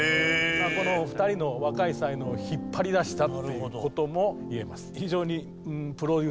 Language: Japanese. このお二人の若い才能を引っ張り出したっていう事も言えます。